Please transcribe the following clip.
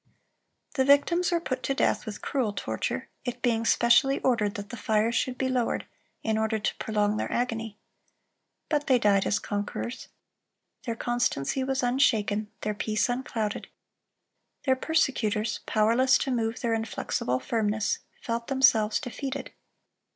(337) The victims were put to death with cruel torture, it being specially ordered that the fire should be lowered, in order to prolong their agony. But they died as conquerors. Their constancy was unshaken, their peace unclouded. Their persecutors, powerless to move their inflexible firmness, felt themselves defeated.